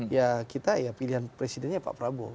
ya kita ya pilihan presidennya pak prabowo